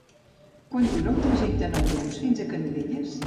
Quant dura el trajecte en autobús fins a Canovelles?